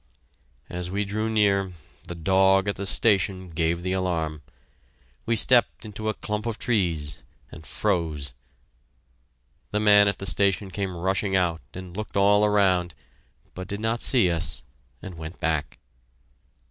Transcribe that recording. As we drew near, the dog at the station gave the alarm. We stepped into a clump of trees and "froze." The man at the station came rushing out and looked all around, but did not see us, and went back.